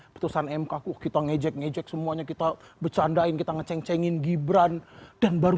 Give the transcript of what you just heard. putusan mk kita ngejek ngejek semuanya kita bercandain kita ngeceng cengin gibran dan baru